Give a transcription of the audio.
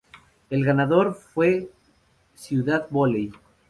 El ganador fue Ciudad Vóley.